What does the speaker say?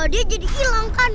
dia jadi hilang kan